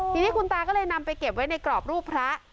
ทีนี้คุณตาก็เลยนำไปเก็บไว้ในกรอบรูปพระ